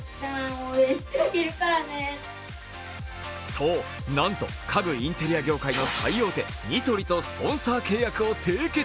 そう、なんと家具・インテリア業界の最大手ニトリとスポンサー契約を締結。